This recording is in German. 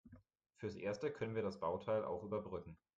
Fürs Erste können wir das Bauteil auch überbrücken.